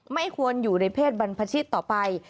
ไม่ควรอยู่ในเพศบรรพชิตต่อไป